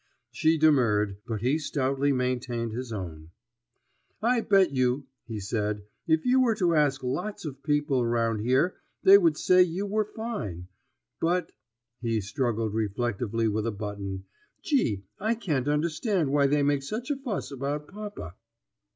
She demurred, but he stoutly maintained his own. "I'll bet you," he said, "if you were to ask lots of people around here they would say you were fine. But" he struggled reflectively with a button "Gee! I can't understand why they make such a fuss about papa."